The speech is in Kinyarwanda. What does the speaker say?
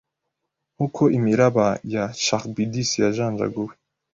Nkuko imiraba ya Charybdis yajanjaguwe